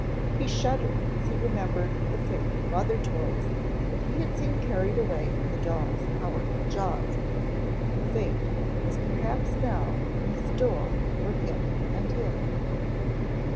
He shuddered as he remembered the fate of other toys that he had seen carried away in the dog's powerful jaws, a fate that was perhaps now in store for him and his.